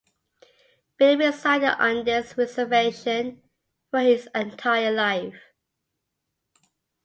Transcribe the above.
Billie resided on this reservation for his entire life.